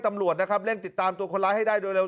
ตำรวจนะครับเร่งติดตามตัวคนร้ายให้ได้โดยเร็